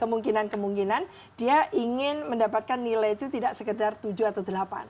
kemungkinan kemungkinan dia ingin mendapatkan nilai itu tidak sekedar tujuh atau delapan